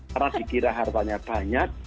karena dikira hartanya banyak